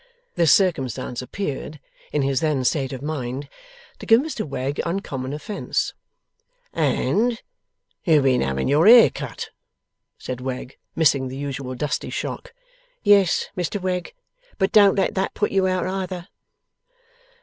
This circumstance appeared, in his then state of mind, to give Mr Wegg uncommon offence. 'And you've been having your hair cut!' said Wegg, missing the usual dusty shock. 'Yes, Mr Wegg. But don't let that put you out, either.